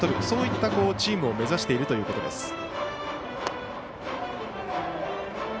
そういったチームを目指しているということです。